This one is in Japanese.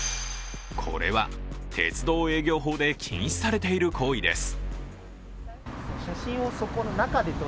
これは、鉄道営業法で禁止されている行為です。